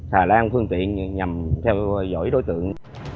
hà lan phương tiện nhằm theo dõi đối tượng